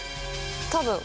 多分。